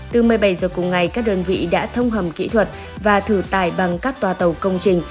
từ một mươi bảy h cùng ngày các đơn vị đã thông hầm kỹ thuật và thử tải bằng các tòa tàu công trình